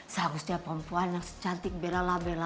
seharusnya perempuan yang secantik bella labella